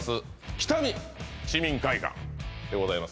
北見市民会館でございます